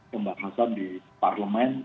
pembahasan di parlemen